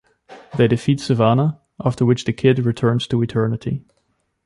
They defeat Sivana, after which the Kid returns to Eternity.